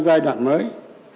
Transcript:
giai đoạn mới